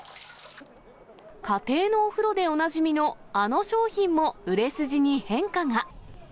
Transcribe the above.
家庭のお風呂でおなじみのあの商品も、売れ筋に変化が。